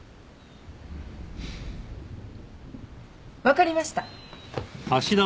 分かりました。